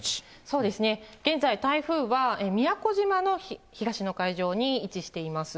そうですね、現在、台風は宮古島の東の海上に位置しています。